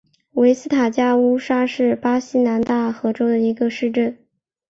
维斯塔加乌沙是巴西南大河州的一个市镇。